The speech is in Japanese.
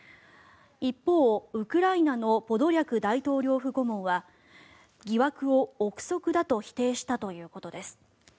一方、ウクライナのポドリャク大統領府顧問は疑惑を臆測だと否定したということです。